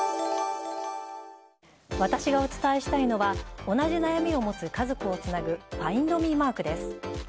私がお伝えしたいのは同じ悩みを持つ家族をつなぐファインドミーマークです。